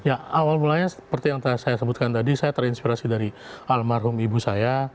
ya awal mulanya seperti yang saya sebutkan tadi saya terinspirasi dari almarhum ibu saya